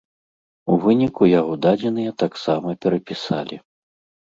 У выніку яго дадзеныя таксама перапісалі.